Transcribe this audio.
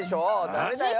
ダメだよ。